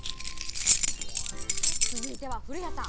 続いては、古谷さん。